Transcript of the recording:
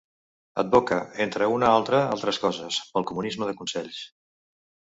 Advoca, entre una altra altres coses, pel comunisme de consells.